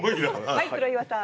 はい黒岩さん。